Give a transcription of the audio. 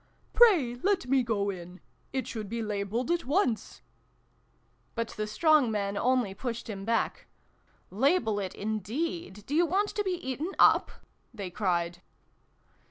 " Pray let me go in. It should be labeled at once !" But the strong men only pushed him back. "Label it, indeed! Do you want to be eaten up ?" they cried.